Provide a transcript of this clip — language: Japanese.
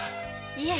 いえ。